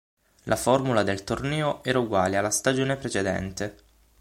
La formula del torneo era uguale alla stagione precedente.